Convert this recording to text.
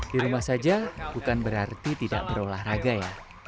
di rumah saja bukan berarti tidak berolahraga ya